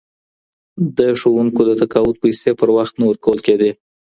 د ښوونکو د تقاعد پیسې پر وخت نه ورکول کيدې.